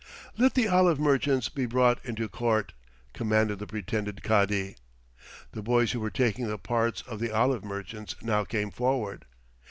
"Let the olive merchants be brought into court," commanded the pretended Cadi. The boys who were taking the parts of olive merchants now came forward.